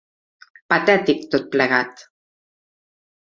Patètic tot plegat!